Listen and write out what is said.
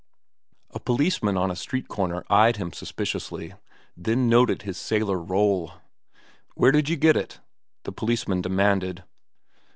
A policeman on a street corner eyed him suspiciously, then noted his sailor roll. "Where did you get it?" the policeman demanded.